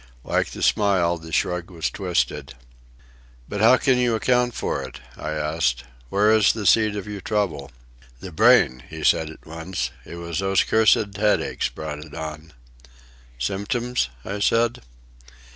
Like the smile, the shrug was twisted. "But how can you account for it?" I asked. "Where is the seat of your trouble?" "The brain," he said at once. "It was those cursed headaches brought it on." "Symptoms," I said.